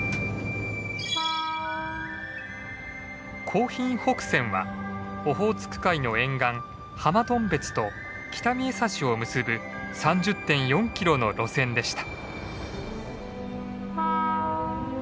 興浜北線はオホーツク海の沿岸浜頓別と北見枝幸を結ぶ３０．４キロの路線でした。